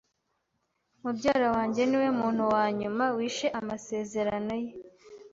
Mubyara wanjye niwe muntu wa nyuma wishe amasezerano ye.